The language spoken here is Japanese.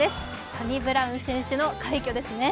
サニブラウン選手の快挙ですね。